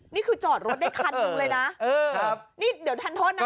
นี่คือจอดรถได้คันหนึ่งเลยนะนี่เดี๋ยวทันโทษนะ